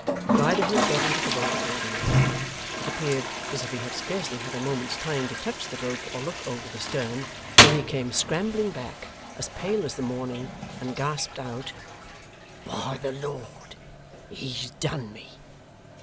Riderhood got into the boat accordingly. It appeared as if he had scarcely had a moment's time to touch the rope or look over the stern, when he came scrambling back, as pale as the morning, and gasped out: 'By the Lord, he's done me!